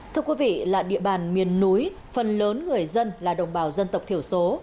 thưa quý vị là địa bàn miền núi phần lớn người dân là đồng bào dân tộc thiểu số